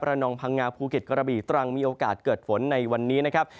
นองพังงาภูเก็ตกระบีตรังมีโอกาสเกิดฝนในวันนี้นะครับ